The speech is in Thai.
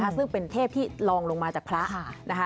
ซึ่งเป็นเทพที่ลองลงมาจากพระนะคะ